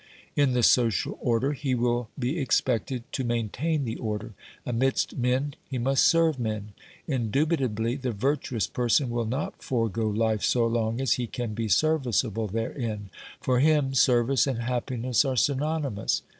In the social order he will be expected to main tain the order; amidst men he must serve men. Indubit ably, the virtuous person will not forego life so long as he can be serviceable therein ; for him service and happiness are synonymous.